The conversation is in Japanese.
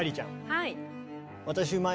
はい。